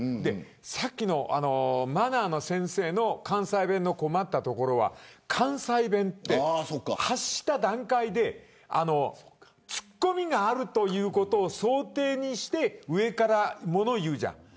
さっきのマナーの先生の関西弁の困ったところは関西弁って発した段階でツッコミがあることを想定にして上から物を言うじゃん。